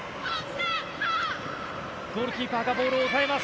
ゴールキーパーがボールを押さえます。